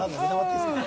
いいですか？